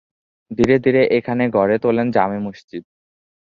ধীরে ধীরে এখানে গড়ে তোলেন জামে মসজিদ।